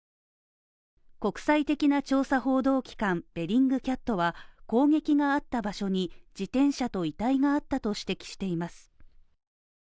国際的な調査報道機関ベリングキャットは攻撃があった場所に自転車と遺体があったと指摘しています。